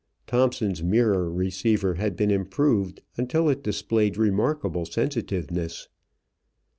Thomson's mirror receiver had been improved until it displayed remarkable sensitiveness.